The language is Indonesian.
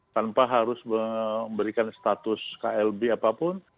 tanpa harus memberikan status klb apapun